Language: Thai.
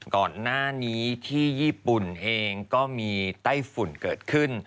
ก่อนหน้านี้ที่ญี่ปุ่นเองก็มีไต้ฝุ่นเกิดขึ้น